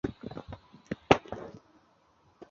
霍亨布伦是德国巴伐利亚州的一个市镇。